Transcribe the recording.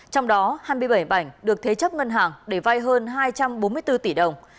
trong đó hai mươi bảy bảnh được thế chấp ngân hàng để vai hơn hai trăm bốn mươi bốn tỷ đồng